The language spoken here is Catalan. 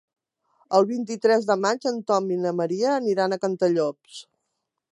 El vint-i-tres de maig en Tom i na Maria aniran a Cantallops.